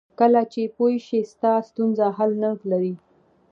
کله چې پوه شې ستا ستونزه حل نه لري.